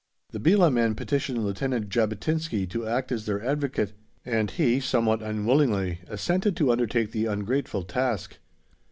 The Belah men petitioned Lieutenant Jabotinsky to act as their advocate, and he, somewhat unwillingly, assented to undertake the ungrateful task.